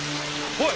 おい！